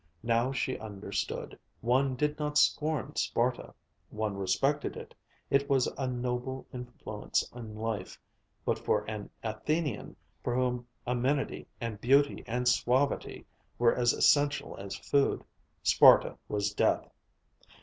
Now she understood. One did not scorn Sparta. One respected it, it was a noble influence in life; but for an Athenian, for whom amenity and beauty and suavity were as essential as food, Sparta was death.